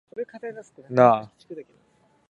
なあ